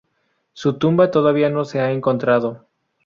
Su tumba todavía no se ha encontrado.